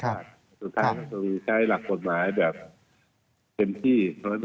สุดท้ายคงใช้หลักกฎหมายแบบเต็มที่๑๐๐